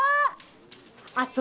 あ！